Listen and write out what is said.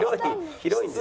広いんです。